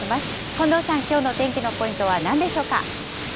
近藤さん、きょうの天気のポイントはなんでしょうか。